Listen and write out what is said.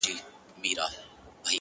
زلفې دې په غرونو کي راونغاړه؛